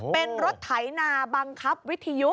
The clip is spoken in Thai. เป็นรถไถนาบังคับวิทยุ